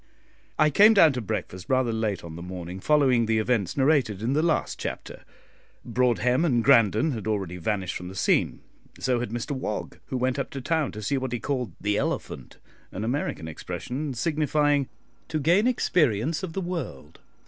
I came down to breakfast rather late on the morning following the events narrated in the last chapter. Broadhem and Grandon had already vanished from the scene; so had Mr Wog, who went up to town to see what he called "the elephant," an American expression, signifying "to gain experience of the world."